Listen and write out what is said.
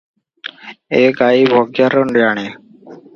ଏ ଗାଈ ଭଗିଆର ଜାଣେ ।